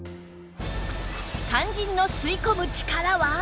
肝心の吸い込む力は？